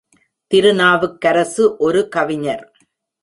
திருநாவுக்கரசு ஒரு கவிஞர்.